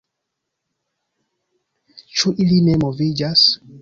Ĉu ili ne moviĝas?